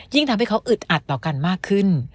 ยิ่งทำให้เขาอึดอัดต่อกันมากขึ้น